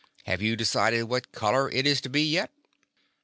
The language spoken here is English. "Have you de cided what color it is to be yet?